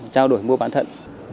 trao đổi mua bán thận